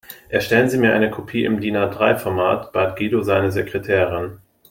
Erstellen Sie mir eine Kopie im DIN-A-drei Format, bat Guido seine Sekretärin.